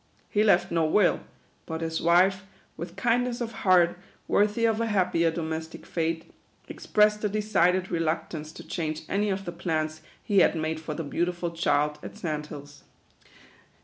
He left no will ; hut his wife, with kindness of heart worthy of a happier domestic fate, expressed a decided reluctance to change any of the plans he had made for the beautiful child at Sand Hills.